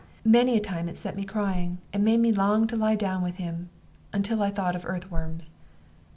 Many a time it set me crying, and made me long to lie down with him, until I thought of earth worms.